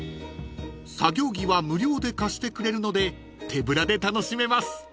［作業着は無料で貸してくれるので手ぶらで楽しめます］